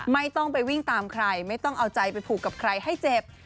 ไม่ต้องไปวิ่งตามใครไม่ต้องเอาใจไปผูกกับใครให้เจ็บ